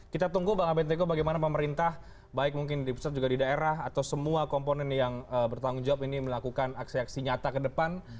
kita tunggu bang abed teko bagaimana pemerintah baik mungkin di pusat juga di daerah atau semua komponen yang bertanggung jawab ini melakukan aksi aksi nyata ke depan